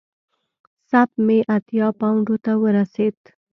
سپ مې اتیا پونډو ته ورسېده.